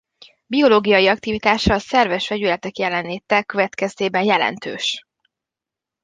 Biológiai aktivitása a szerves vegyületek jelenléte következtében jelentős.